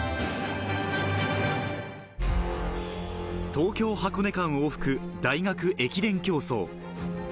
東京箱根間往復大学駅伝競走。